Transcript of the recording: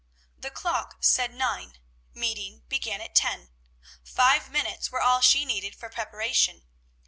The clock said nine; meeting began at ten. Five minutes were all she needed for preparation.